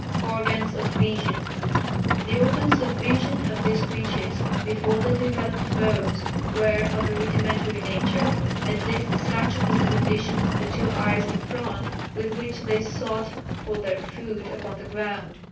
[Sidenote: Organs of Vision.] The organs of vision of these creatures before they developed bones were of a rudimentary nature, at least such was the condition of the two eyes in front with which they sought for their food upon the ground.